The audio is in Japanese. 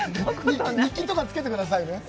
日記とかつけてくださいね。